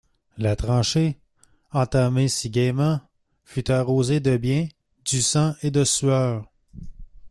La tranchée, entamée si gaiement, fut arrosée de bien du sang et de sueur.